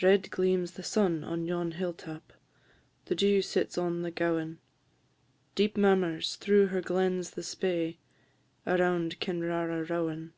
"_ Red gleams the sun on yon hill tap, The dew sits on the gowan; Deep murmurs through her glens the Spey, Around Kinrara rowan.